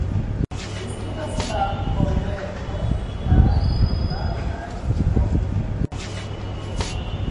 Li studas la kometojn kaj rilatajn korpojn.